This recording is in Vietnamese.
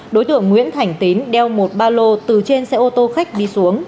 đối tượng nguyễn thành tín đeo một ba lô từ trên xe ô tô khách đi xuống